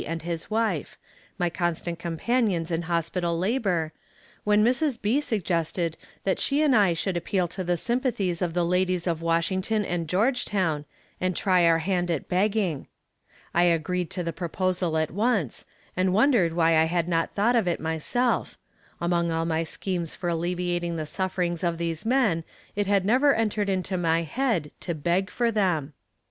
and his wife my constant companions in hospital labor when Mrs. B. suggested that she and I should appeal to the sympathies of the ladies of Washington and Georgetown, and try our hand at begging. I agreed to the proposal at once, and wondered why I had not thought of it myself among all my schemes for alleviating the sufferings of these men, it had never entered into my head to beg for them.